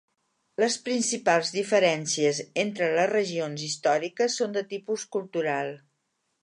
Les principals diferències entre les regions històriques són de tipus cultural.